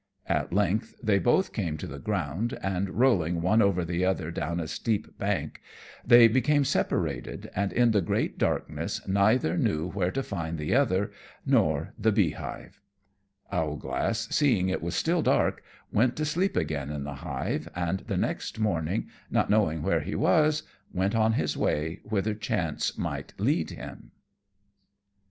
At length they both came to the ground, and, rolling one over the other down a steep bank, they became separated, and in the great darkness neither knew where to find the other nor the beehive. [Illustration: Owlglass in the Beehive.] Owlglass, seeing it was still dark, went to sleep again in the hive; and the next morning, not knowing where he was, went on his way whither chance might lead him.